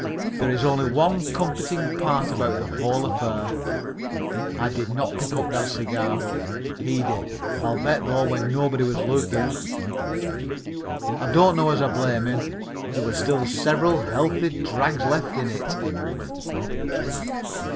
There is only one comforting part about the whole affair I did not pick up that cigar butt. He did, I'll bet, though when nobody was looking. I don't know as I blame him there were still several healthy drags left in it.